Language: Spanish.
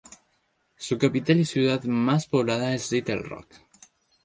Su capital y ciudad más poblada es Little Rock.